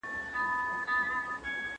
د ټولنیز عدالت تامینولو ته پام وکړئ.